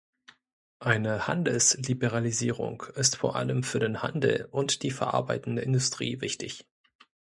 Eine Handelsliberalisierung ist vor allem für den Handel und die verarbeitende Industrie wichtig.